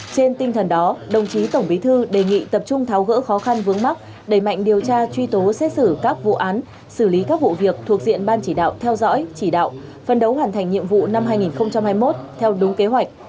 trên tinh thần đó đồng chí tổng bí thư đề nghị tập trung tháo gỡ khó khăn vướng mắc đẩy mạnh điều tra truy tố xét xử các vụ án xử lý các vụ việc thuộc diện ban chỉ đạo theo dõi chỉ đạo phân đấu hoàn thành nhiệm vụ năm hai nghìn hai mươi một theo đúng kế hoạch